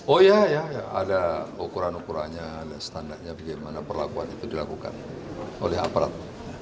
oh iya ya ada ukuran ukurannya ada standarnya bagaimana perlakuan itu dilakukan oleh aparat